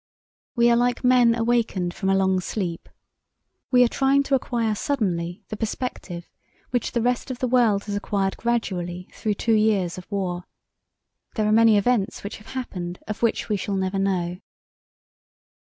We are like men awakened from a long sleep. We are trying to acquire suddenly the perspective which the rest of the world has acquired gradually through two years of war. There are many events which have happened of which we shall never know.